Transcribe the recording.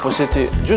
positif ngapain disini